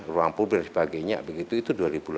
ruang publik sebagainya begitu itu